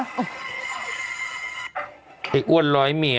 ไอ้อ้วนร้อยเมีย